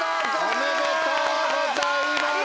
おめでとうございます。